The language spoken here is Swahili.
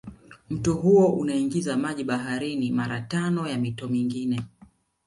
Mto huo unaingiza maji baharini mara tano ya mito mingine